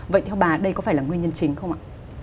vậy theo bà đây có phải là nguyên nhân chính không ạ